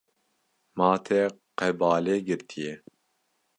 Ma te qebale girtiye.